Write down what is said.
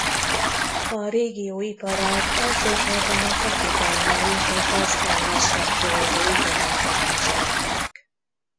A régió iparát elsősorban a fakitermelés és az ehhez kapcsolódó iparágak mozgatják.